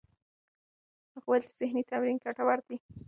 هغه وویل چې ذهنې تمرینونه ګټور دي.